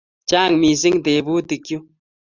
Chang' missing' tyebutik chu.